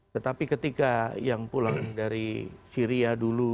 tetapi ketika yang pulang dari syria dulu